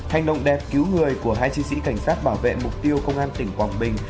hành động đẹp cứu người của hai chiến sĩ cảnh sát bảo vệ mục tiêu công an tỉnh quảng bình